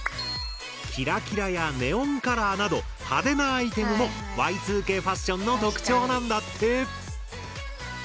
キラキラやネオンカラーなど派手なアイテムもＹ２Ｋファッションの特徴なんだって。